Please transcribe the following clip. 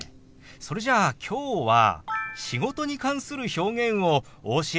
それじゃあきょうは「仕事」に関する表現をお教えしましょう。